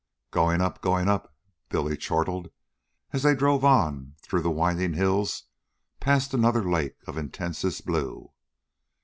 "Goin' up, goin' up," Billy chortled, as they drove on through the winding hills past another lake of intensest blue.